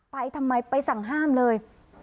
ไปทำไมไปสั่งห้ามเลย